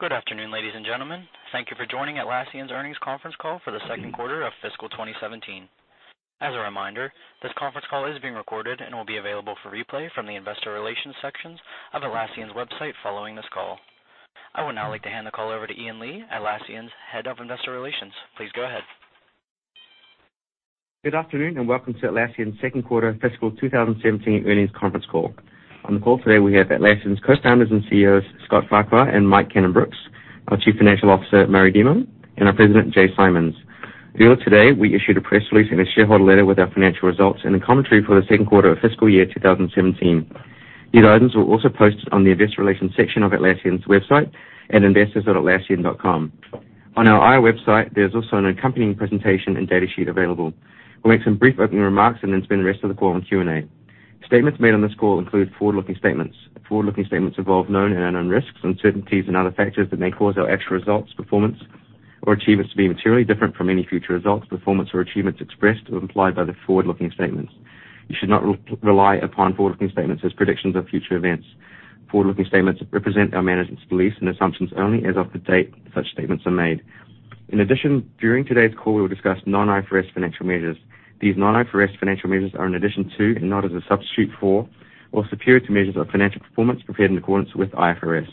Good afternoon, ladies and gentlemen. Thank you for joining Atlassian's earnings conference call for the second quarter of fiscal 2017. As a reminder, this conference call is being recorded and will be available for replay from the Investor Relations sections of Atlassian's website following this call. I would now like to hand the call over to Ian Lee, Atlassian's Head of Investor Relations. Please go ahead. Good afternoon. Welcome to Atlassian's second quarter fiscal 2017 earnings conference call. On the call today, we have Atlassian's Co-Founders and CEOs, Scott Farquhar and Mike Cannon-Brookes, our Chief Financial Officer, Murray Demo, and our President, Jay Simons. Earlier today, we issued a press release and a shareholder letter with our financial results and a commentary for the second quarter of fiscal year 2017. These items were also posted on the Investor Relations section of atlassian.com. On our IR website, there's also an accompanying presentation and data sheet available. We'll make some brief opening remarks and then spend the rest of the call on Q&A. Statements made on this call include forward-looking statements. Forward-looking statements involve known and unknown risks, uncertainties, and other factors that may cause our actual results, performance, or achievements to be materially different from any future results, performance, or achievements expressed or implied by the forward-looking statements. You should not rely upon forward-looking statements as predictions of future events. Forward-looking statements represent our management's beliefs and assumptions only as of the date such statements are made. In addition, during today's call, we will discuss non-IFRS financial measures. These non-IFRS financial measures are in addition to, and not as a substitute for, or superior to measures of financial performance prepared in accordance with IFRS.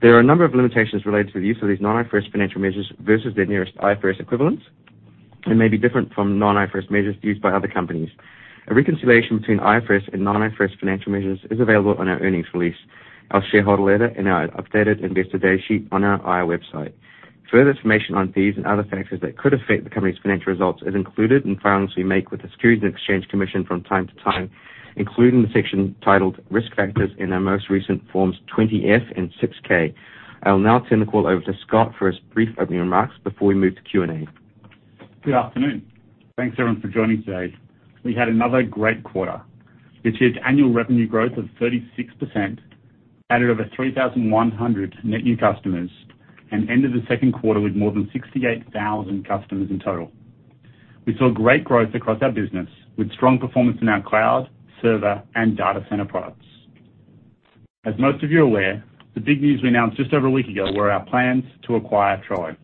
There are a number of limitations related to the use of these non-IFRS financial measures versus their nearest IFRS equivalents and may be different from non-IFRS measures used by other companies. A reconciliation between IFRS and non-IFRS financial measures is available on our earnings release, our shareholder letter, and our updated investor data sheet on our IR website. Further information on these and other factors that could affect the company's financial results is included in filings we make with the Securities and Exchange Commission from time to time, including the section titled Risk Factors in our most recent Forms 20-F and 6-K. I'll now turn the call over to Scott for his brief opening remarks before we move to Q&A. Good afternoon. Thanks, everyone, for joining today. We had another great quarter, which is annual revenue growth of 36%, added over 3,100 net new customers, and ended the second quarter with more than 68,000 customers in total. We saw great growth across our business, with strong performance in our cloud, server, and Data Center products. As most of you are aware, the big news we announced just over a week ago were our plans to acquire Trello.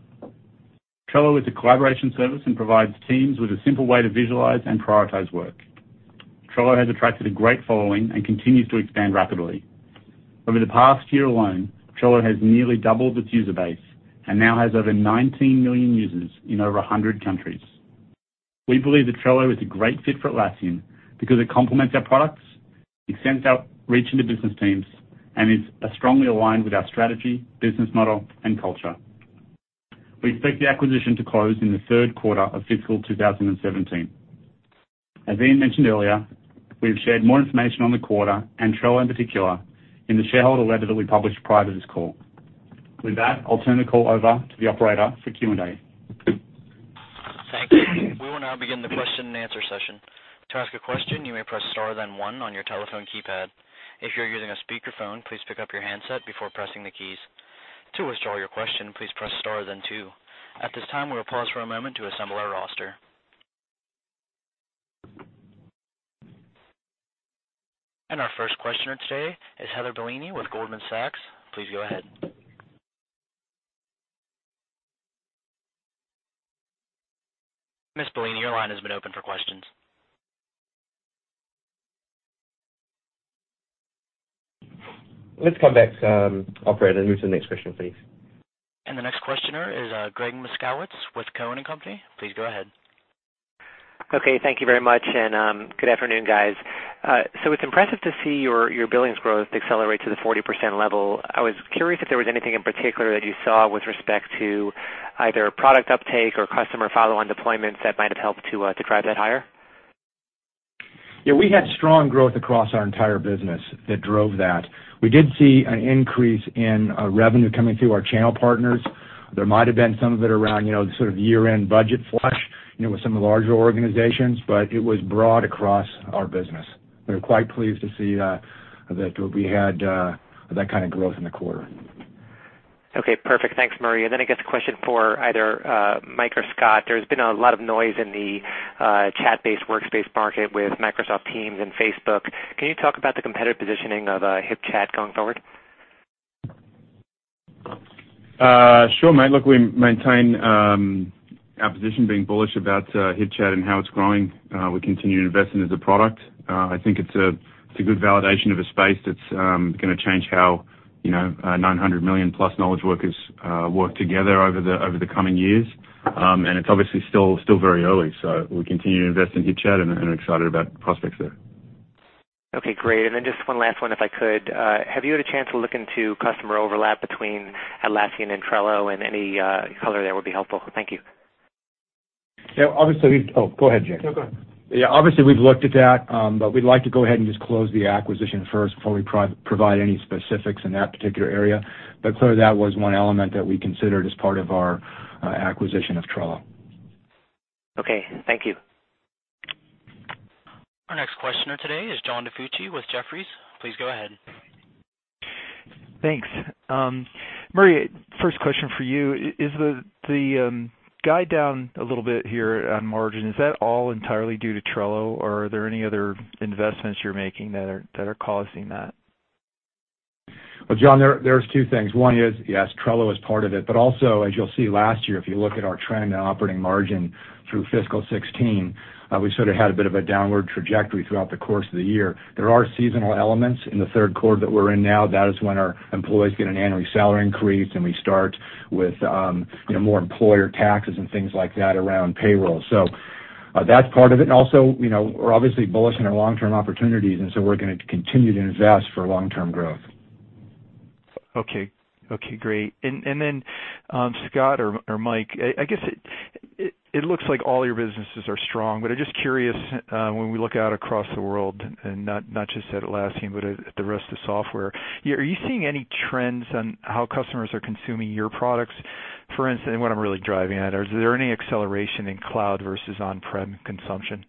Trello is a collaboration service and provides teams with a simple way to visualize and prioritize work. Trello has attracted a great following and continues to expand rapidly. Over the past year alone, Trello has nearly doubled its user base and now has over 19 million users in over 100 countries. We believe that Trello is a great fit for Atlassian because it complements our products, extends our reach into business teams, and is strongly aligned with our strategy, business model, and culture. We expect the acquisition to close in the third quarter of fiscal 2017. As Ian mentioned earlier, we've shared more information on the quarter and Trello in particular in the shareholder letter that we published prior to this call. With that, I'll turn the call over to the operator for Q&A. Thank you. We will now begin the question and answer session. To ask a question, you may press star then one on your telephone keypad. If you're using a speakerphone, please pick up your handset before pressing the keys. To withdraw your question, please press star then two. At this time, we will pause for a moment to assemble our roster. Our first questioner today is Heather Bellini with Goldman Sachs. Please go ahead. Ms. Bellini, your line has been open for questions. Let's come back, operator, and move to the next question, please. The next questioner is Gregg Moskowitz with Cowen and Company. Please go ahead. Okay. Thank you very much, and good afternoon, guys. It's impressive to see your billings growth accelerate to the 40% level. I was curious if there was anything in particular that you saw with respect to either product uptake or customer follow-on deployments that might have helped to drive that higher. Yeah. We had strong growth across our entire business that drove that. We did see an increase in revenue coming through our channel partners. There might have been some of it around the sort of year-end budget flush with some of the larger organizations, but it was broad across our business. We were quite pleased to see that we had that kind of growth in the quarter. Okay, perfect. Thanks, Murray. I guess a question for either Mike or Scott. There's been a lot of noise in the chat-based workspace market with Microsoft Teams and Facebook. Can you talk about the competitive positioning of HipChat going forward? Sure, mate. Look, we maintain our position being bullish about HipChat and how it's growing. We continue to invest in it as a product. I think it's a good validation of a space that's going to change how 900 million plus knowledge workers work together over the coming years. It's obviously still very early, so we continue to invest in HipChat and are excited about the prospects there. Okay, great. Then just one last one if I could. Have you had a chance to look into customer overlap between Atlassian and Trello, and any color there would be helpful. Thank you. Yeah, obviously we've go ahead, Jay. No, go ahead. Yeah, obviously we've looked at that, we'd like to go ahead and just close the acquisition first before we provide any specifics in that particular area. Clearly, that was one element that we considered as part of our acquisition of Trello. Okay. Thank you. Our next questioner today is John DiFucci with Jefferies. Please go ahead. Thanks. Murray, first question for you. Is the guide down a little bit here on margin, is that all entirely due to Trello, or are there any other investments you're making that are causing that? Well, John, there's two things. One is, yes, Trello is part of it. Also, as you'll see last year, if you look at our trend and operating margin through FY 2016, we sort of had a bit of a downward trajectory throughout the course of the year. There are seasonal elements in the third quarter that we're in now. That is when our employees get an annual salary increase, and we start with more employer taxes and things like that around payroll. That's part of it. Also, we're obviously bullish on our long-term opportunities, and so we're going to continue to invest for long-term growth. Okay, great. Scott or Mike, I guess it looks like all your businesses are strong, but I'm just curious, when we look out across the world and not just at Atlassian, but at the rest of software, are you seeing any trends on how customers are consuming your products? For instance, what I'm really driving at, is there any acceleration in cloud versus on-prem consumption?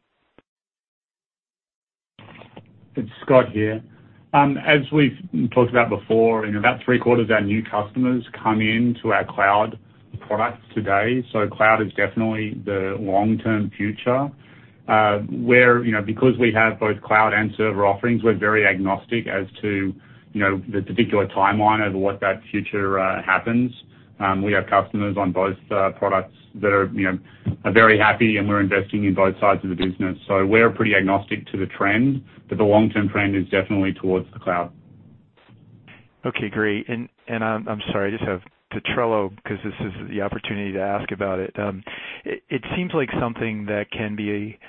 It's Scott here. As we've talked about before, about three-quarters of our new customers come in to our cloud products today. Cloud is definitely the long-term future. Because we have both cloud and server offerings, we're very agnostic as to the particular timeline over what that future happens. We have customers on both products that are very happy, and we're investing in both sides of the business. We're pretty agnostic to the trend, but the long-term trend is definitely towards the cloud. Okay, great. I'm sorry, I just have to Trello because this is the opportunity to ask about it. It seems like something that can be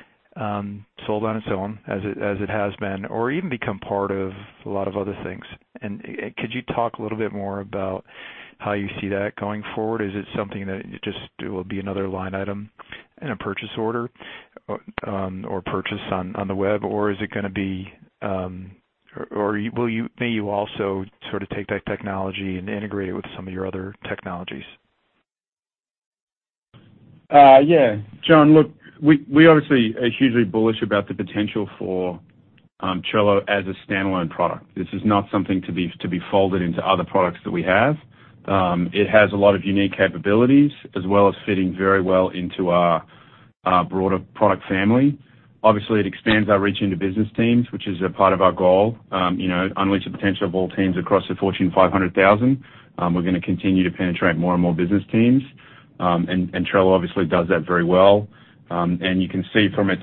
sold on its own, as it has been, or even become part of a lot of other things. Could you talk a little bit more about how you see that going forward? Is it something that just will be another line item in a purchase order or purchase on the web, or may you also sort of take that technology and integrate it with some of your other technologies? John, look, we obviously are hugely bullish about the potential for Trello as a standalone product. This is not something to be folded into other products that we have. It has a lot of unique capabilities, as well as fitting very well into our broader product family. Obviously, it expands our reach into business teams, which is a part of our goal. Unleash the potential of all teams across the Fortune 500,000. We're going to continue to penetrate more and more business teams. Trello obviously does that very well. You can see from its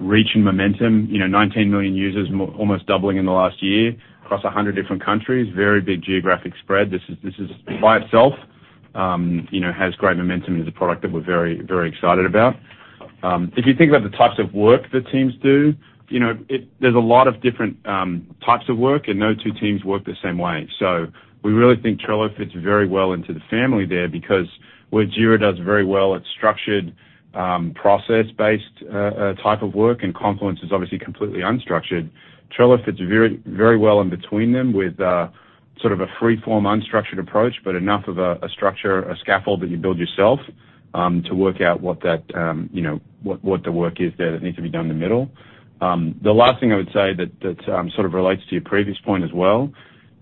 reach and momentum, 19 million users, almost doubling in the last year across 100 different countries. Very big geographic spread. This by itself has great momentum as a product that we're very excited about. If you think about the types of work that teams do, there's a lot of different types of work, and no two teams work the same way. We really think Trello fits very well into the family there because where Jira does very well at structured, process-based type of work, and Confluence is obviously completely unstructured. Trello fits very well in between them with a free-form, unstructured approach, but enough of a structure, a scaffold that you build yourself, to work out what the work is there that needs to be done in the middle. The last thing I would say that sort of relates to your previous point as well,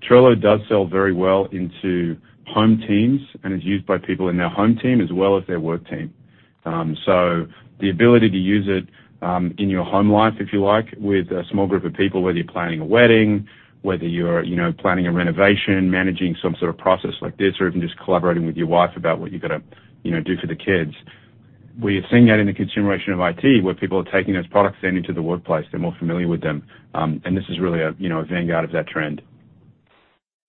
Trello does sell very well into home teams and is used by people in their home team as well as their work team. The ability to use it in your home life, if you like, with a small group of people, whether you're planning a wedding, whether you're planning a renovation, managing some sort of process like this, or even just collaborating with your wife about what you're going to do for the kids. We are seeing that in the consumerization of IT, where people are taking those products then into the workplace. They're more familiar with them. This is really a vanguard of that trend.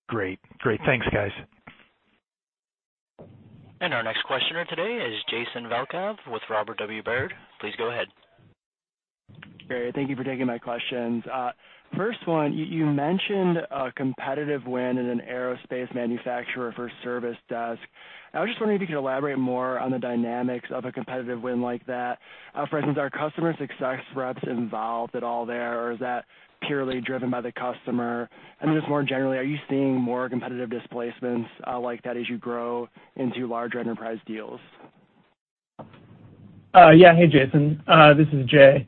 Great. Thanks, guys. Our next questioner today is Jason Valkov with Robert W. Baird. Please go ahead. Great. Thank you for taking my questions. First one, you mentioned a competitive win in an aerospace manufacturer for Service Desk. I was just wondering if you could elaborate more on the dynamics of a competitive win like that. For instance, are customer success reps involved at all there, or is that purely driven by the customer? Just more generally, are you seeing more competitive displacements like that as you grow into larger enterprise deals? Yeah. Hey, Jason. This is Jay.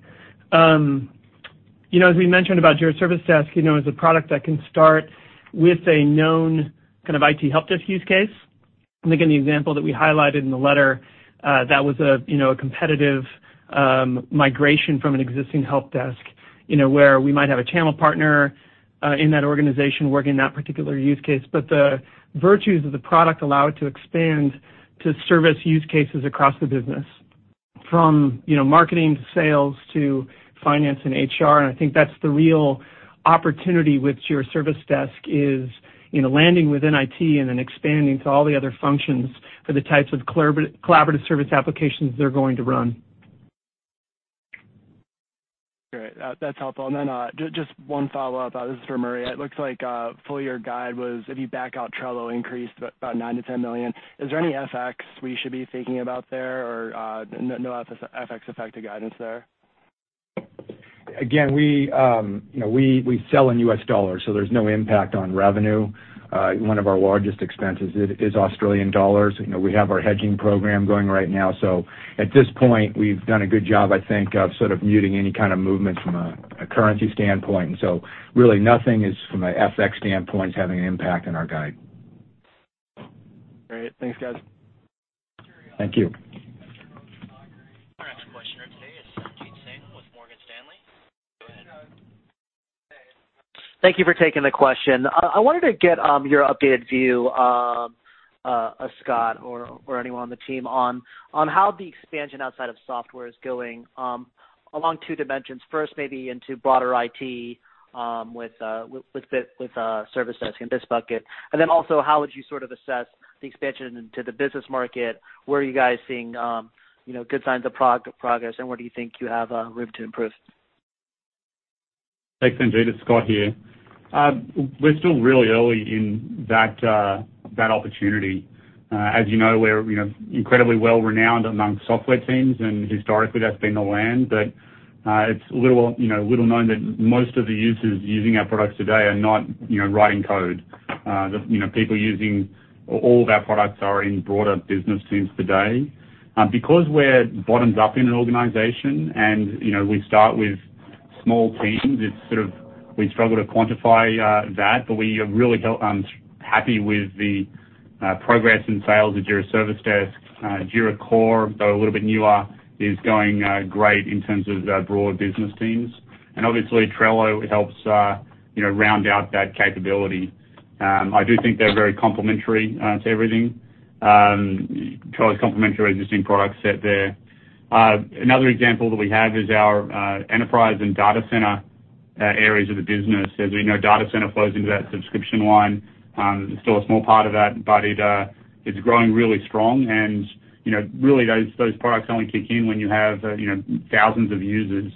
As we mentioned about Jira Service Desk, as a product that can start with a known kind of IT helpdesk use case. Again, the example that we highlighted in the letter, that was a competitive migration from an existing helpdesk. Where we might have a channel partner in that organization working that particular use case. The virtues of the product allow it to expand to service use cases across the business, from marketing to sales to finance and HR. I think that's the real opportunity with Jira Service Desk is landing within IT and then expanding to all the other functions for the types of collaborative service applications they're going to run. Great. That's helpful. Then just one follow-up. This is for Murray. It looks like full-year guide was, if you back out Trello increase, about $9 million-$10 million. Is there any FX we should be thinking about there, or no FX effect to guidance there? We sell in US dollars, so there's no impact on revenue. One of our largest expenses is Australian dollars. We have our hedging program going right now. At this point, we've done a good job, I think, of sort of muting any kind of movement from a currency standpoint. Really nothing is, from an FX standpoint, is having an impact on our guide. Great. Thanks, guys. Thank you. Thank you for taking the question. I wanted to get your updated view, Scott or anyone on the team, on how the expansion outside of software is going along two dimensions. First, maybe into broader IT with Service Desk in this bucket. Also, how would you sort of assess the expansion into the business market? Where are you guys seeing good signs of progress, and where do you think you have room to improve? Thanks, Sanjay. It's Scott here. We're still really early in that opportunity. As you know, we're incredibly well-renowned among software teams, and historically that's been the land. It's little known that most of the users using our products today are not writing code. People using all of our products are in broader business teams today. We're bottoms-up in an organization and we start with small teams, it's sort of, we struggle to quantify that. We are really happy with the progress in sales of Jira Service Desk. Jira Core, though a little bit newer, is going great in terms of broader business teams. Obviously, Trello helps round out that capability. I do think they're very complementary to everything. Trello is complementary to our existing product set there. Another example that we have is our enterprise and Data Center areas of the business. As we know, Data Center flows into that subscription line. Still a small part of that, but it's growing really strong, and really those products only kick in when you have thousands of users.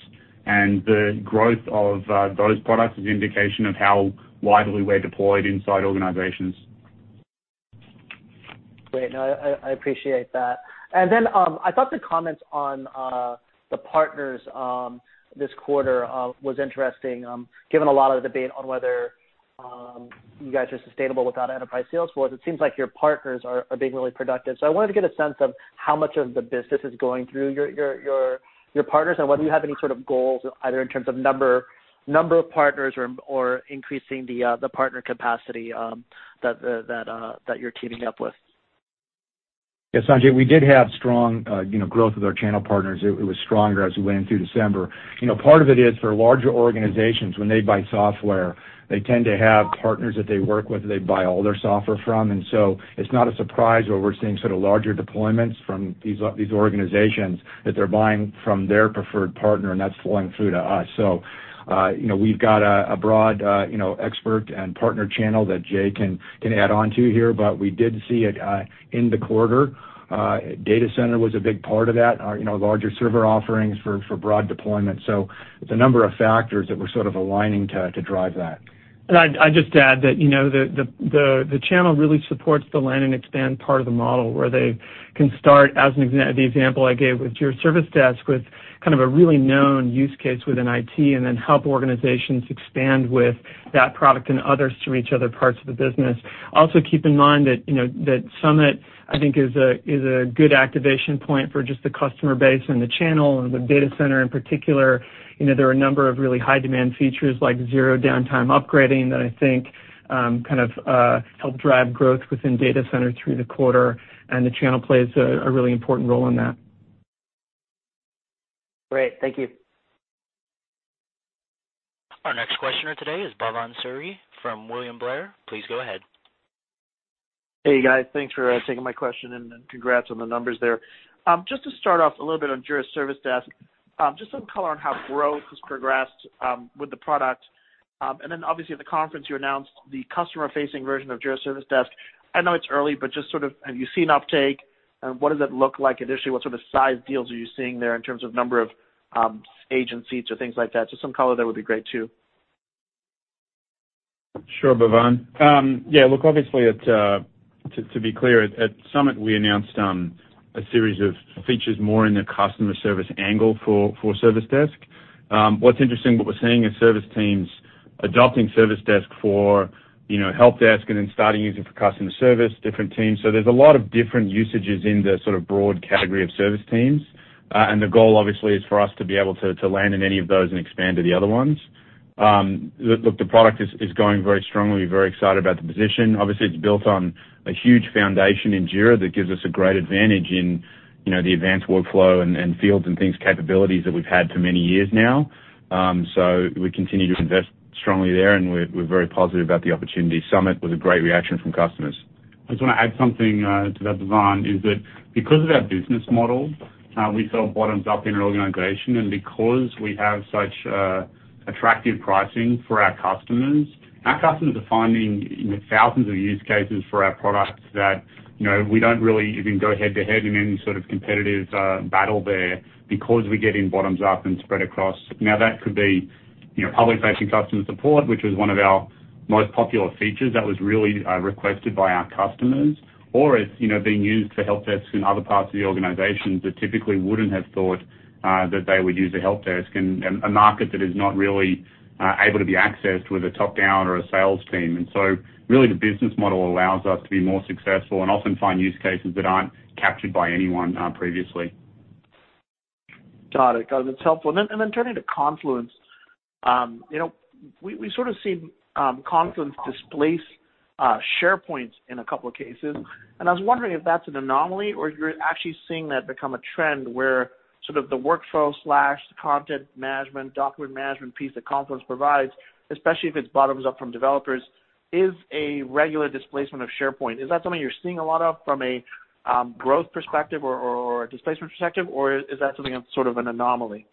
The growth of those products is indication of how widely we're deployed inside organizations. Great. No, I appreciate that. I thought the comments on the partners this quarter was interesting, given a lot of the debate on whether you guys are sustainable without enterprise sales. Whereas it seems like your partners are being really productive. I wanted to get a sense of how much of the business is going through your partners and whether you have any sort of goals, either in terms of number of partners or increasing the partner capacity that you're teaming up with. Yeah, Sanjay, we did have strong growth with our channel partners. It was stronger as we went in through December. Part of it is for larger organizations, when they buy software, they tend to have partners that they work with that they buy all their software from. It's not a surprise where we're seeing sort of larger deployments from these organizations, that they're buying from their preferred partner, and that's flowing through to us. We've got a broad expert and partner channel that Jay can add onto here, but we did see it in the quarter. Data Center was a big part of that. Larger server offerings for broad deployment. It's a number of factors that were sort of aligning to drive that. I'd just add that the channel really supports the land and expand part of the model, where they can start, as the example I gave with Jira Service Desk, with kind of a really known use case within IT, and then help organizations expand with that product and others to reach other parts of the business. Also, keep in mind that Summit, I think is a good activation point for just the customer base and the channel and the Data Center in particular. There are a number of really high-demand features like zero-downtime upgrading that I think kind of help drive growth within Data Center through the quarter, and the channel plays a really important role in that. Great. Thank you. Our next questioner today is Bhavan Suri from William Blair. Please go ahead. Hey, guys. Thanks for taking my question, congrats on the numbers there. Just to start off a little bit on Jira Service Desk, just some color on how growth has progressed with the product. Then obviously at the conference, you announced the customer-facing version of Jira Service Desk. I know it's early, but just sort of have you seen uptake? What does that look like initially? What sort of size deals are you seeing there in terms of number of agent seats or things like that? Just some color there would be great, too. Sure, Bhavan. Yeah, look, obviously to be clear, at Summit, we announced a series of features more in the customer service angle for Service Desk. What is interesting, what we are seeing is service teams adopting Service Desk for help desk and then starting using it for customer service, different teams. There is a lot of different usages in the sort of broad category of service teams. The goal, obviously, is for us to be able to land in any of those and expand to the other ones. Look, the product is going very strongly, very excited about the position. It is built on a huge foundation in Jira that gives us a great advantage in the advanced workflow and fields and things, capabilities that we have had for many years now. We continue to invest strongly there, and we are very positive about the opportunity. Summit was a great reaction from customers. I just want to add something to that, Bhavan, is that because of our business model, we sell bottoms-up in an organization, and because we have such attractive pricing for our customers, our customers are finding thousands of use cases for our products that we do not really even go head-to-head in any sort of competitive battle there because we get in bottoms-up and spread across. That could be public-facing customer support, which was one of our most popular features. That was really requested by our customers. It is being used for help desks in other parts of the organization that typically would not have thought that they would use a help desk, and a market that is not really able to be accessed with a top-down or a sales team. Really, the business model allows us to be more successful and often find use cases that are not captured by anyone previously. Got it. Guys, it is helpful. Turning to Confluence, we sort of seen Confluence displace SharePoint in a couple of cases, and I was wondering if that is an anomaly or you are actually seeing that become a trend where sort of the workflow/content management, document management piece that Confluence provides, especially if it is bottoms up from developers, is a regular displacement of SharePoint. Is that something you are seeing a lot of from a growth perspective or a displacement perspective, or is that something that is sort of an anomaly?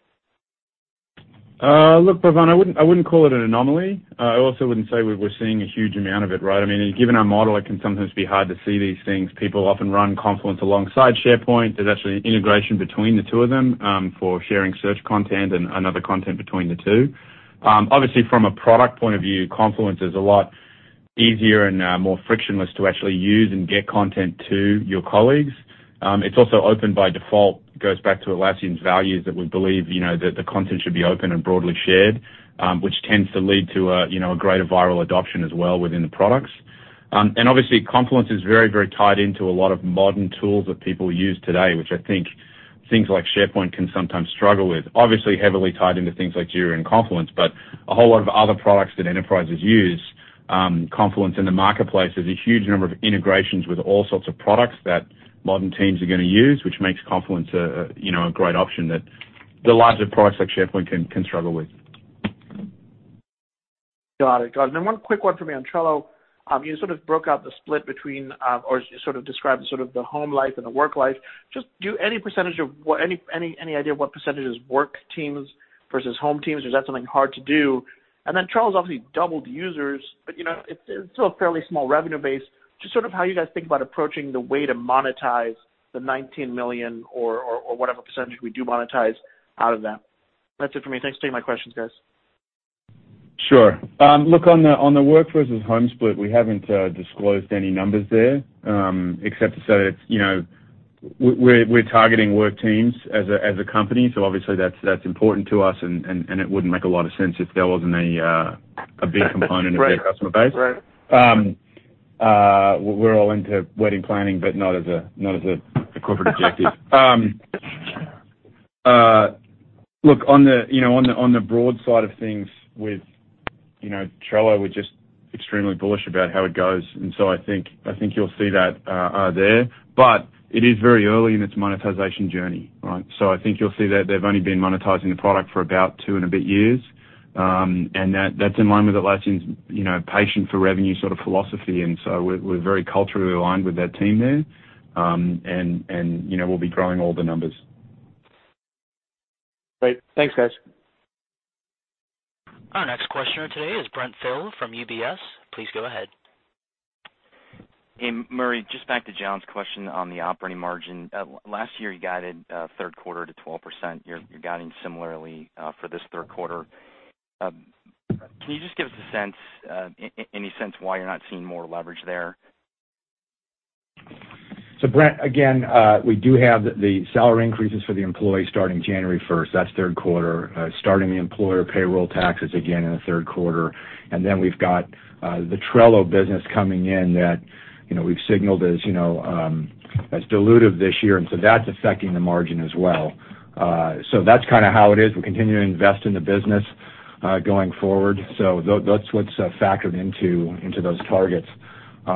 Look, Bhavan, I wouldn't call it an anomaly. I also wouldn't say we're seeing a huge amount of it, right? Given our model, it can sometimes be hard to see these things. People often run Confluence alongside SharePoint. There's actually an integration between the two of them, for sharing search content and other content between the two. Obviously, from a product point of view, Confluence is a lot easier and more frictionless to actually use and get content to your colleagues. It's also open by default, goes back to Atlassian's values that we believe that the content should be open and broadly shared, which tends to lead to a greater viral adoption as well within the products. Obviously, Confluence is very tied into a lot of modern tools that people use today, which I think things like SharePoint can sometimes struggle with. Obviously heavily tied into things like Jira and Confluence, but a whole lot of other products that enterprises use. Confluence in the marketplace, there's a huge number of integrations with all sorts of products that modern teams are going to use, which makes Confluence a great option that the larger products like SharePoint can struggle with. Got it. Then one quick one for me on Trello. You sort of broke out the split between or sort of described the home life and the work life. Just any idea what percentage is work teams versus home teams, or is that something hard to do? Then Trello's obviously doubled users, but it's still a fairly small revenue base. Just sort of how you guys think about approaching the way to monetize the $19 million or whatever percentage we do monetize out of that. That's it for me. Thanks. Thanks for taking my questions, guys. Sure. Look, on the work versus home split, we haven't disclosed any numbers there. Except to say that we're targeting work teams as a company, so obviously that's important to us, it wouldn't make a lot of sense if there wasn't a big component- Right of our customer base. Right. We're all into wedding planning, but not as a corporate objective. Look, on the broad side of things with Trello, we're just extremely bullish about how it goes. I think you'll see that there. It is very early in its monetization journey, right? I think you'll see that they've only been monetizing the product for about two and a bit years. That's in line with Atlassian's patient for revenue sort of philosophy. We're very culturally aligned with that team there. We'll be growing all the numbers. Great. Thanks, guys. Our next questioner today is Brent Thill from UBS. Please go ahead. Hey, Murray, just back to John's question on the operating margin. Last year, you guided third quarter to 12%. You're guiding similarly for this third quarter. Can you just give us any sense why you're not seeing more leverage there? Brent, again, we do have the salary increases for the employees starting January 1st. That's third quarter. Starting the employer payroll taxes again in the third quarter. We've got the Trello business coming in that we've signaled as dilutive this year, that's affecting the margin as well. That's kind of how it is. We continue to invest in the business, going forward. That's what's factored into those targets. That's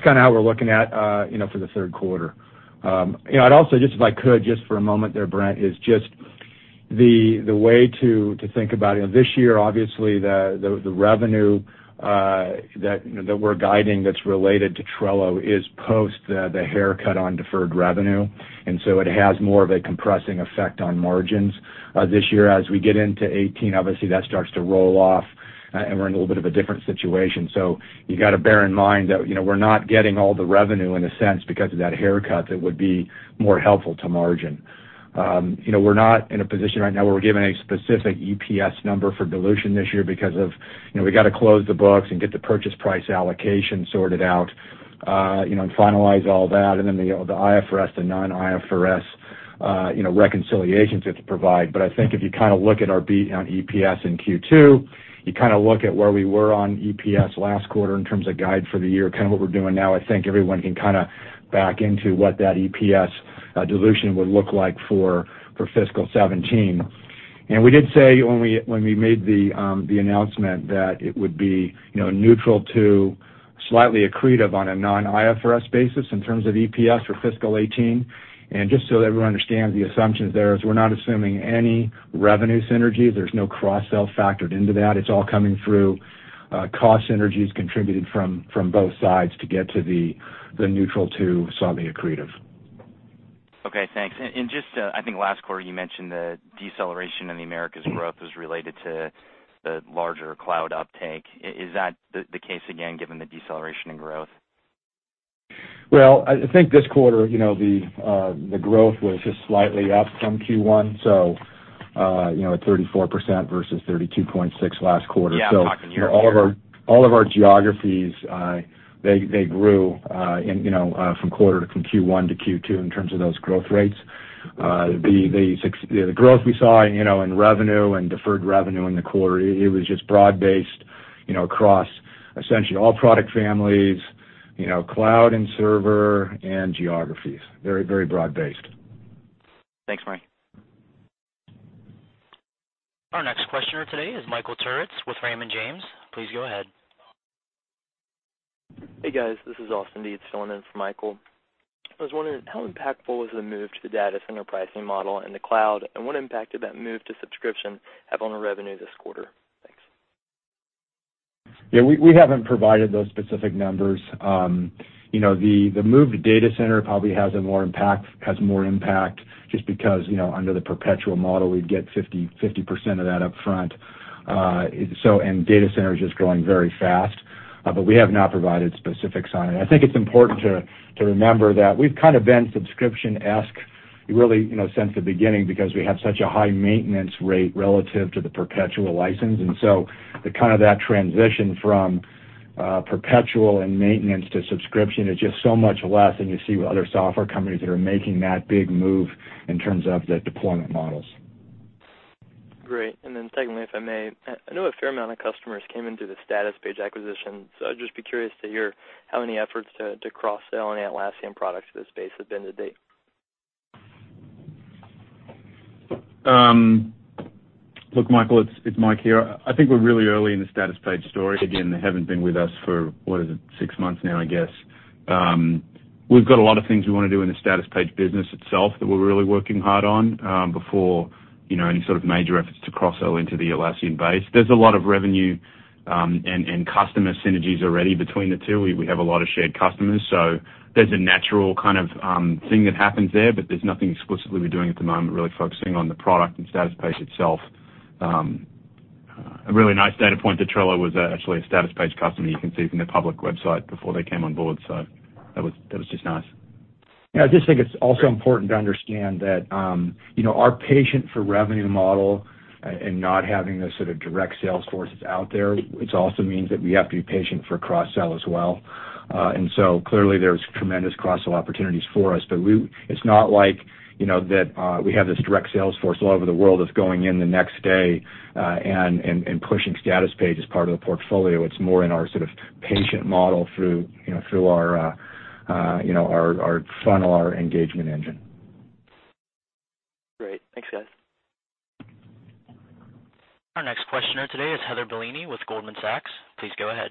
kind of how we're looking at for the third quarter. I'd also, just if I could, just for a moment there, Brent, is just the way to think about it. This year, obviously, the revenue that we're guiding that's related to Trello is post the haircut on deferred revenue, it has more of a compressing effect on margins this year. As we get into 2018, obviously, that starts to roll off, we're in a little bit of a different situation. You got to bear in mind that we're not getting all the revenue, in a sense, because of that haircut that would be more helpful to margin. We're not in a position right now where we're giving a specific EPS number for dilution this year because of we got to close the books and get the purchase price allocation sorted out, and finalize all that. The IFRS to non-IFRS reconciliations we have to provide. I think if you kind of look at our beat on EPS in Q2, you kind of look at where we were on EPS last quarter in terms of guide for the year, kind of what we're doing now, I think everyone can kind of back into what that EPS dilution would look like for fiscal 2017. We did say when we made the announcement that it would be neutral to slightly accretive on a non-IFRS basis in terms of EPS for fiscal 2018. Just so everyone understands the assumptions there, is we're not assuming any revenue synergies. There's no cross-sell factored into that. It's all coming through cost synergies contributed from both sides to get to the neutral to slightly accretive. Okay, thanks. I think last quarter you mentioned the deceleration in the Americas growth was related to the larger cloud uptake. Is that the case again, given the deceleration in growth? Well, I think this quarter the growth was just slightly up from Q1, at 34% versus 32.6% last quarter. Yeah, I'm talking year-over-year. All of our geographies, they grew from Q1 to Q2 in terms of those growth rates. The growth we saw in revenue and deferred revenue in the quarter, it was just broad-based across essentially all product families, cloud and server, and geographies. Very broad-based. Thanks, Mike. Our next questioner today is Michael Turits with Raymond James. Please go ahead. Hey, guys. This is Austin Deeds filling in for Michael. I was wondering, how impactful is the move to the Data Center pricing model in the cloud, and what impact did that move to subscription have on the revenue this quarter? Thanks. Yeah. We haven't provided those specific numbers. The move to Data Center probably has more impact, just because, under the perpetual model, we'd get 50% of that upfront. Data Center is just growing very fast. We have not provided specifics on it. I think it's important to remember that we've kind of been subscription-esque really since the beginning because we have such a high maintenance rate relative to the perpetual license. That transition from perpetual and maintenance to subscription is just so much less than you see with other software companies that are making that big move in terms of the deployment models. Great. Secondly, if I may, I know a fair amount of customers came into the Statuspage acquisition, so I'd just be curious to hear how many efforts to cross-sell any Atlassian products to this base have been to date. Look, Michael, it's Mike here. I think we're really early in the Statuspage story. Again, they haven't been with us for, what is it, six months now, I guess. We've got a lot of things we want to do in the Statuspage business itself that we're really working hard on, before any sort of major efforts to cross-sell into the Atlassian base. There's a lot of revenue and customer synergies already between the two. We have a lot of shared customers, so there's a natural kind of thing that happens there. There's nothing explicitly we're doing at the moment, really focusing on the product and Statuspage itself. A really nice data point that Trello was actually a Statuspage customer, you can see from the public website before they came on board. That was just nice. Yeah. I just think it's also important to understand that our patient for revenue model and not having those sort of direct sales forces out there, which also means that we have to be patient for cross-sell as well. Clearly, there's tremendous cross-sell opportunities for us. It's not like that we have this direct sales force all over the world that's going in the next day, and pushing Statuspage as part of the portfolio. It's more in our sort of patient model through our funnel, our engagement engine. Great. Thanks, guys. Our next questioner today is Heather Bellini with Goldman Sachs. Please go ahead.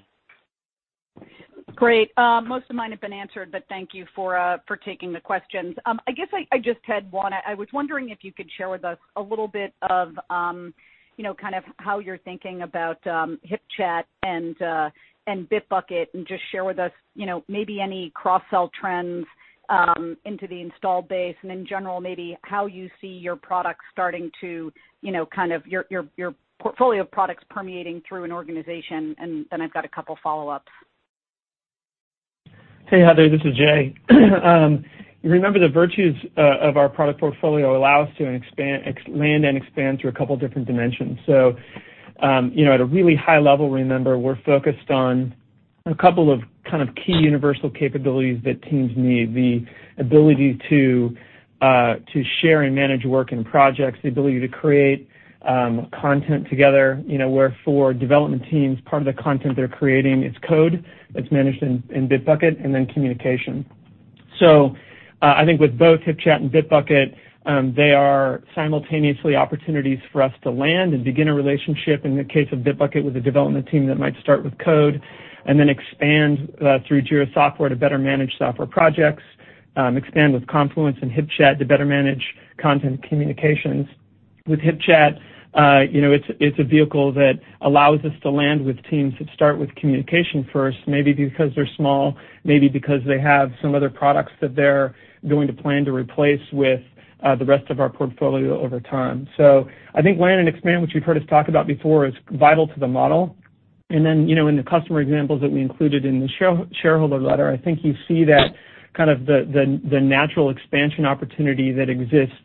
Great. Most of mine have been answered, thank you for taking the questions. I guess I just had one. I was wondering if you could share with us a little bit of kind of how you're thinking about HipChat and Bitbucket, just share with us maybe any cross-sell trends into the installed base, in general, maybe how you see your portfolio of products permeating through an organization, then I've got a couple follow-ups. Hey, Heather. This is Jay. Remember, the virtues of our product portfolio allow us to land and expand through a couple different dimensions. At a really high level, remember, we're focused on a couple of kind of key universal capabilities that teams need. The ability to share and manage work and projects, the ability to create content together, where for development teams, part of the content they're creating is code that's managed in Bitbucket, then communication. I think with both HipChat and Bitbucket, they are simultaneously opportunities for us to land and begin a relationship, in the case of Bitbucket, with a development team that might start with code and then expand through Jira Software to better manage software projects, expand with Confluence and HipChat to better manage content communications. With HipChat, it's a vehicle that allows us to land with teams that start with communication first, maybe because they're small, maybe because they have some other products that they're going to plan to replace with the rest of our portfolio over time. I think land and expand, which you've heard us talk about before, is vital to the model. In the customer examples that we included in the shareholder letter, I think you see that kind of the natural expansion opportunity that exists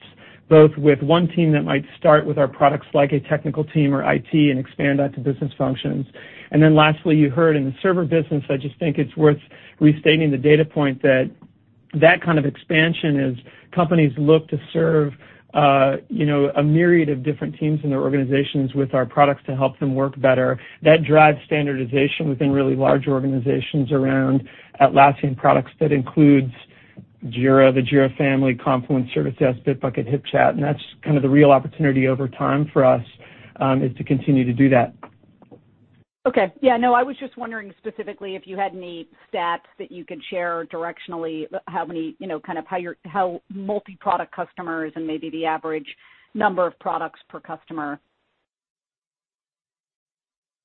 both with one team that might start with our products like a technical team or IT and expand out to business functions. Lastly, you heard in the server business, I just think it's worth restating the data point that that kind of expansion as companies look to serve a myriad of different teams in their organizations with our products to help them work better. That drives standardization within really large organizations around Atlassian products. That includes Jira, the Jira family, Confluence, Jira Service Desk, Bitbucket, HipChat, that's kind of the real opportunity over time for us, is to continue to do that. I was just wondering specifically if you had any stats that you could share directionally, how multi-product customers and maybe the average number of products per customer.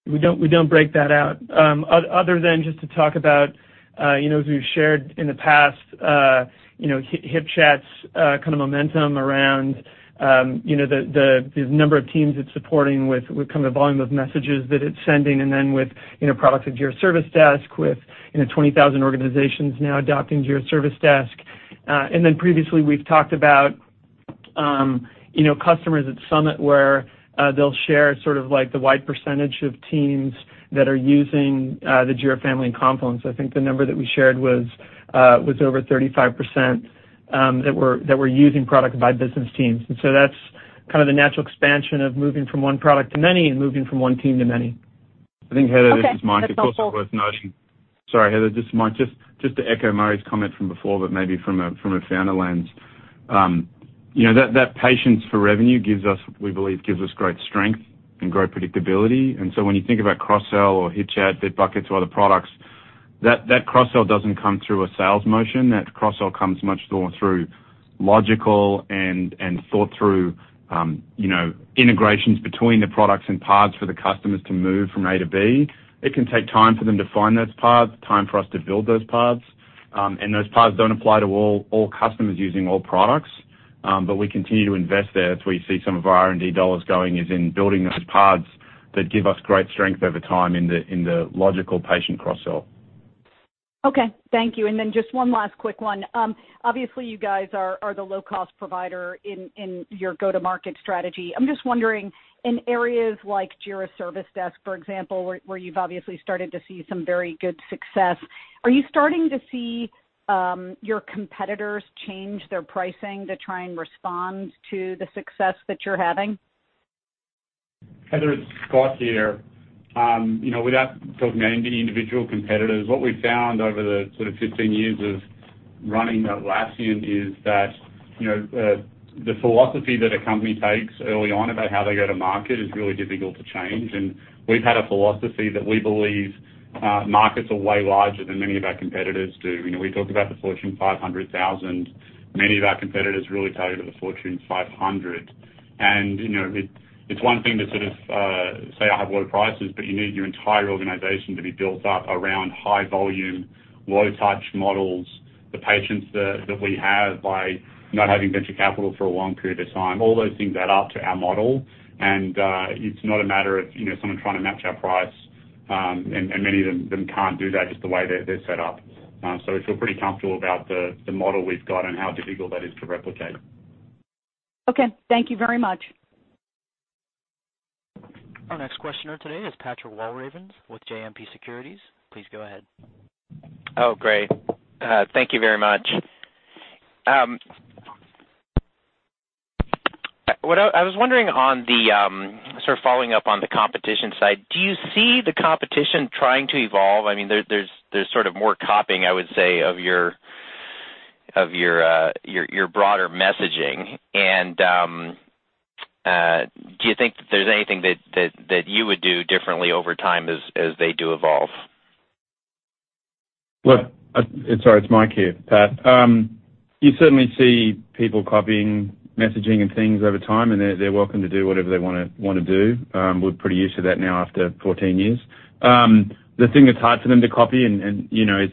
We don't break that out. Other than just to talk about as we've shared in the past, HipChat's kind of momentum around the number of teams it's supporting with kind of the volume of messages that it's sending, with products like Jira Service Desk, with 20,000 organizations now adopting Jira Service Desk. Previously we've talked about customers at Summit where they'll share sort of like the wide percentage of teams that are using the Jira family and Confluence. I think the number that we shared was over 35% that were using product by business teams. That's. Kind of the natural expansion of moving from one product to many and moving from one team to many. Heather, this is Mike. Heather, this is Mike. Just to echo Murray's comment from before, but maybe from a founder lens. That patience for revenue, we believe, gives us great strength and great predictability. When you think about cross-sell or HipChat, Bitbucket to other products, that cross-sell doesn't come through a sales motion. That cross-sell comes much more through logical and thought through integrations between the products and paths for the customers to move from A to B. It can take time for them to find those paths, time for us to build those paths. Those paths don't apply to all customers using all products. We continue to invest there. That's where you see some of our R&D dollars going, is in building those paths that give us great strength over time in the logical patient cross-sell. Okay. Thank you. Just one last quick one. Obviously, you guys are the low-cost provider in your go-to-market strategy. I'm just wondering, in areas like Jira Service Desk, for example, where you've obviously started to see some very good success, are you starting to see your competitors change their pricing to try and respond to the success that you're having? Heather, it's Scott here. Without talking about any individual competitors, what we've found over the sort of 15 years of running Atlassian is that the philosophy that a company takes early on about how they go to market is really difficult to change. We've had a philosophy that we believe markets are way larger than many of our competitors do. We talk about the Fortune 500,000. Many of our competitors really target the Fortune 500. It's one thing to sort of say, I have low prices, but you need your entire organization to be built up around high volume, low touch models. The patience that we have by not having venture capital for a long period of time, all those things add up to our model. It's not a matter of someone trying to match our price, and many of them can't do that just the way they're set up. We feel pretty comfortable about the model we've got and how difficult that is to replicate. Okay. Thank you very much. Our next questioner today is Patrick Walravens with JMP Securities. Please go ahead. Oh, great. Thank you very much. I was wondering on the, sort of following up on the competition side, do you see the competition trying to evolve? There's sort of more copying, I would say, of your broader messaging. Do you think that there's anything that you would do differently over time as they do evolve? Look, sorry, it's Mike here, Pat. You certainly see people copying messaging and things over time, and they're welcome to do whatever they want to do. We're pretty used to that now after 14 years. The thing that's hard for them to copy is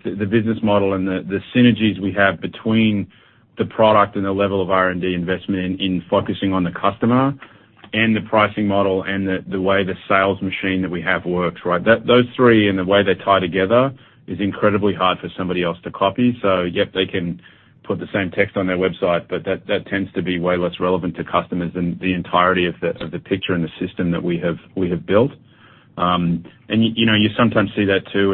the business model and the synergies we have between the product and the level of R&D investment in focusing on the customer, and the pricing model, and the way the sales machine that we have works, right. Those three and the way they tie together is incredibly hard for somebody else to copy. Yep, they can put the same text on their website, but that tends to be way less relevant to customers than the entirety of the picture and the system that we have built. You sometimes see that too,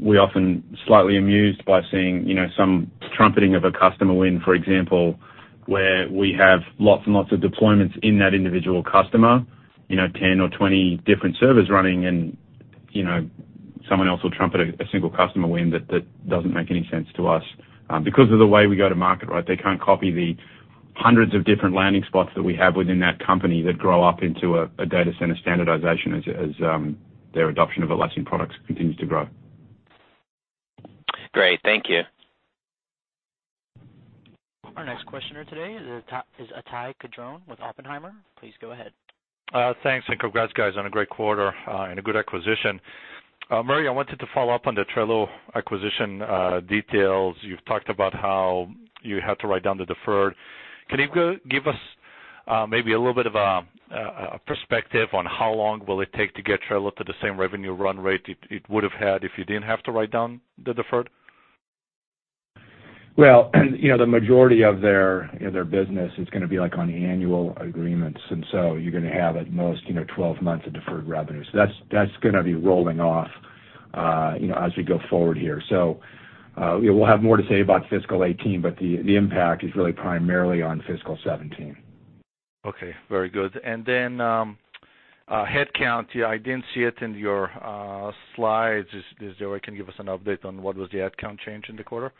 we're often slightly amused by seeing some trumpeting of a customer win, for example, where we have lots and lots of deployments in that individual customer, 10 or 20 different servers running, and someone else will trumpet a single customer win. That doesn't make any sense to us. Because of the way we go to market, right? They can't copy the hundreds of different landing spots that we have within that company that grow up into a Data Center standardization as their adoption of Atlassian products continues to grow. Great. Thank you. Our next questioner today is Ittai Kidron with Oppenheimer. Please go ahead. Thanks, congrats guys, on a great quarter and a good acquisition. Murray, I wanted to follow up on the Trello acquisition details. You've talked about how you had to write down the deferred. Can you give us maybe a little bit of a perspective on how long will it take to get Trello to the same revenue run rate it would've had if you didn't have to write down the deferred? The majority of their business is going to be on annual agreements. You're going to have at most 12 months of deferred revenue. That's going to be rolling off as we go forward here. We'll have more to say about fiscal 2018, but the impact is really primarily on fiscal 2017. Okay. Very good. Then, headcount. I didn't see it in your slides. Is there a way you can give us an update on what was the headcount change in the quarter?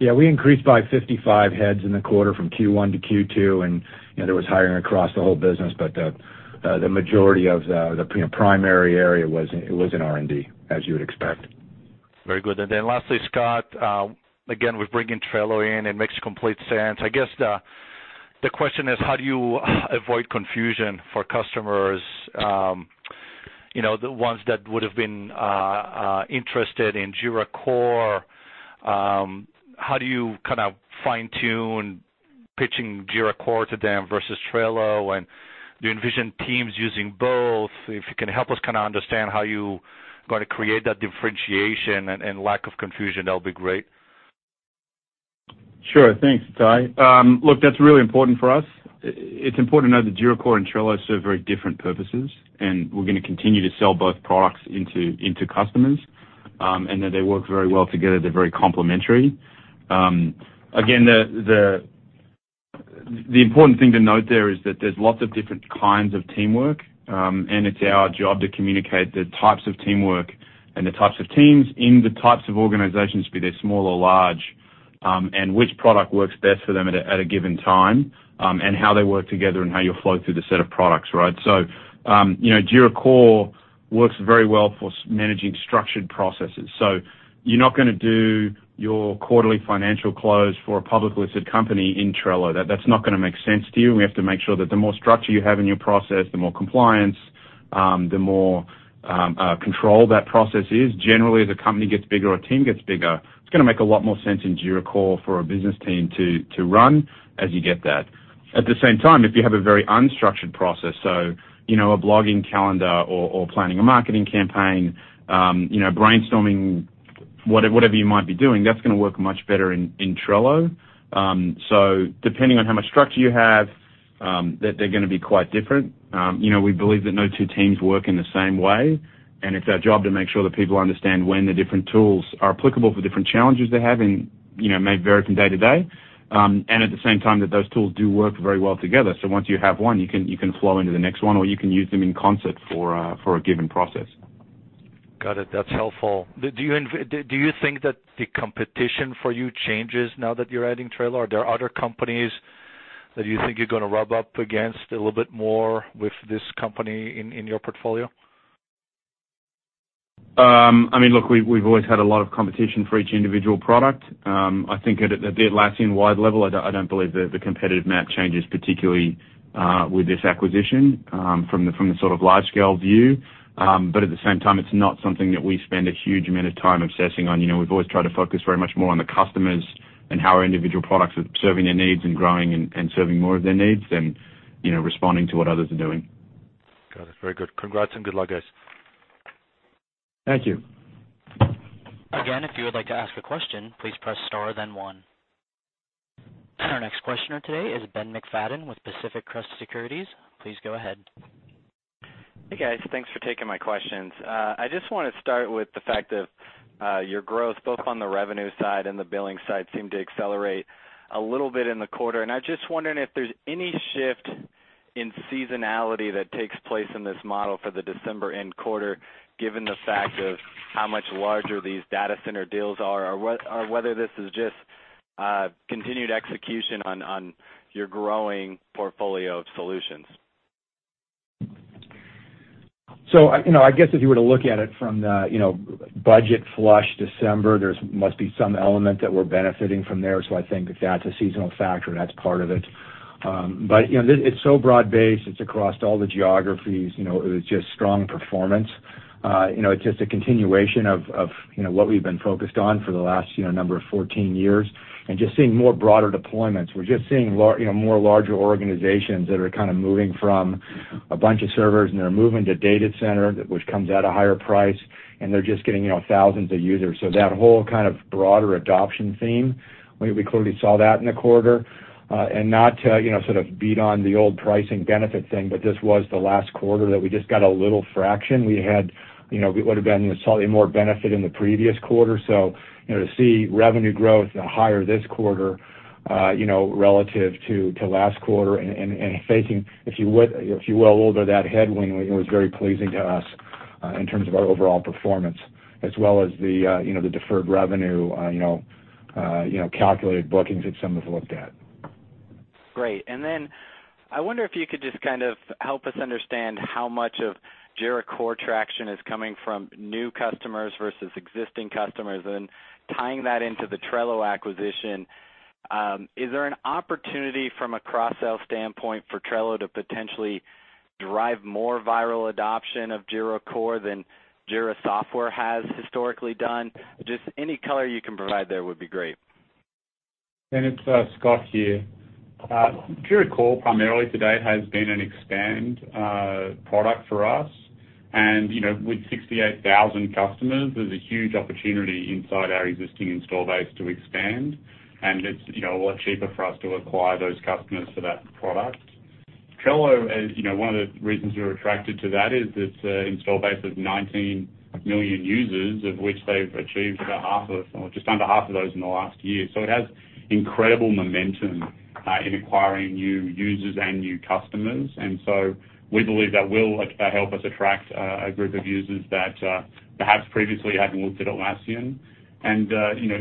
Yeah. We increased by 55 heads in the quarter from Q1 to Q2. There was hiring across the whole business. The majority of the primary area was in R&D, as you would expect. Very good. Then lastly, Scott, again, with bringing Trello in, it makes complete sense. I guess the question is, how do you avoid confusion for customers, the ones that would've been interested in Jira Core? How do you kind of fine-tune pitching Jira Core to them versus Trello, and do you envision teams using both? If you can help us kind of understand how you are going to create that differentiation and lack of confusion, that'll be great. Sure. Thanks, Ittai. Look, that's really important for us. It's important to know that Jira Core and Trello serve very different purposes, we're going to continue to sell both products into customers. That they work very well together. They're very complementary. Again, the important thing to note there is that there's lots of different kinds of teamwork. It's our job to communicate the types of teamwork and the types of teams in the types of organizations, be they small or large, and which product works best for them at a given time, and how they work together, and how you'll flow through the set of products. Jira Core works very well for managing structured processes. You're not going to do your quarterly financial close for a public listed company in Trello. That's not going to make sense to you. We have to make sure that the more structure you have in your process, the more compliance, the more control that process is. Generally, as a company gets bigger or a team gets bigger, it's going to make a lot more sense in Jira Core for a business team to run as you get that. At the same time, if you have a very unstructured process, so a blogging calendar or planning a marketing campaign, brainstorming, whatever you might be doing, that's going to work much better in Trello. Depending on how much structure you have, they're going to be quite different. We believe that no two teams work in the same way, and it's our job to make sure that people understand when the different tools are applicable for different challenges they have and may vary from day to day. At the same time, that those tools do work very well together. Once you have one, you can flow into the next one, or you can use them in concert for a given process. Got it. That's helpful. Do you think that the competition for you changes now that you're adding Trello? Are there other companies that you think you're going to rub up against a little bit more with this company in your portfolio? Look, we've always had a lot of competition for each individual product. I think at the Atlassian-wide level, I don't believe the competitive map changes, particularly with this acquisition, from the sort of large-scale view. At the same time, it's not something that we spend a huge amount of time obsessing on. We've always tried to focus very much more on the customers and how our individual products are serving their needs and growing and serving more of their needs than responding to what others are doing. Got it. Very good. Congrats and good luck, guys. Thank you. Again, if you would like to ask a question, please press star then one. Our next questioner today is Ben McFadden with Pacific Crest Securities. Please go ahead. Hey, guys. Thanks for taking my questions. I just want to start with the fact that your growth, both on the revenue side and the billing side, seemed to accelerate a little bit in the quarter. I'm just wondering if there's any shift in seasonality that takes place in this model for the December end quarter, given the fact of how much larger these Data Center deals are, or whether this is just continued execution on your growing portfolio of solutions. I guess if you were to look at it from the budget flush December, there must be some element that we're benefiting from there. I think that that's a seasonal factor. That's part of it. It's so broad-based. It's across all the geographies. It was just strong performance. It's just a continuation of what we've been focused on for the last number of 14 years and just seeing more broader deployments. We're just seeing more larger organizations that are moving from a bunch of servers, and they're moving to Data Center, which comes at a higher price, and they're just getting thousands of users. That whole kind of broader adoption theme, we clearly saw that in the quarter. Not to sort of beat on the old pricing benefit thing, but this was the last quarter that we just got a little fraction. We would have been slightly more benefit in the previous quarter. To see revenue growth higher this quarter, relative to last quarter and facing, if you will, older that headwind was very pleasing to us in terms of our overall performance as well as the deferred revenue, calculated bookings that some have looked at. I wonder if you could just help us understand how much of Jira Core traction is coming from new customers versus existing customers. Tying that into the Trello acquisition, is there an opportunity from a cross-sell standpoint for Trello to potentially derive more viral adoption of Jira Core than Jira Software has historically done? Just any color you can provide there would be great. Ben, it's Scott here. Jira Core primarily to date has been an expand product for us. With 68,000 customers, there's a huge opportunity inside our existing install base to expand. It's a lot cheaper for us to acquire those customers for that product. Trello, one of the reasons we were attracted to that is its install base of 19 million users, of which they've achieved about half of, or just under half of those in the last year. It has incredible momentum in acquiring new users and new customers. To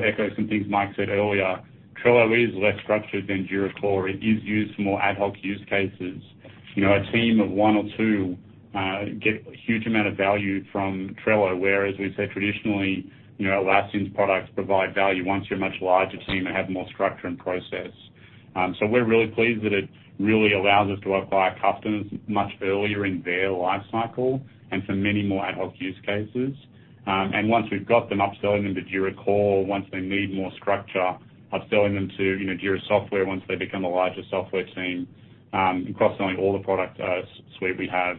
echo some things Mike said earlier, Trello is less structured than Jira Core. It is used for more ad hoc use cases. A team of one or two get a huge amount of value from Trello, whereas we say traditionally, Atlassian's products provide value once you're a much larger team and have more structure and process. We're really pleased that it really allows us to acquire customers much earlier in their life cycle and for many more ad hoc use cases. Once we've got them, upselling them to Jira Core, once they need more structure, upselling them to Jira Software once they become a larger software team, and cross-selling all the product suite we have.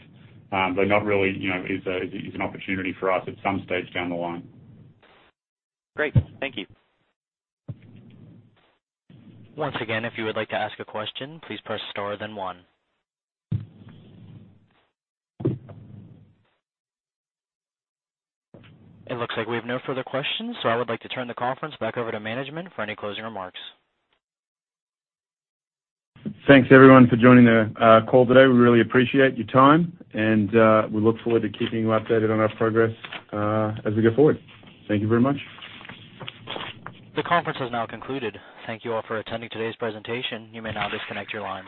Not really. It's an opportunity for us at some stage down the line. Great. Thank you. Once again, if you would like to ask a question, please press star then one. It looks like we have no further questions. I would like to turn the conference back over to management for any closing remarks. Thanks, everyone, for joining the call today. We really appreciate your time. We look forward to keeping you updated on our progress as we go forward. Thank you very much. The conference has now concluded. Thank you all for attending today's presentation. You may now disconnect your lines.